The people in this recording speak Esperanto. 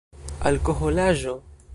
alkoholaĵo